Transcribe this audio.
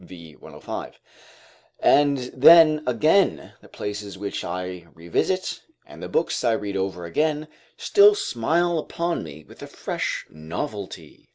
v. 105.] and then, again, the places which I revisit, and the books I read over again, still smile upon me with a fresh novelty.